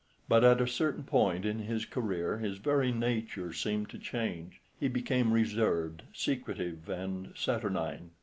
But at a certain point in his career his very nature seemed to change; he became reserved, secretive, and saturnine.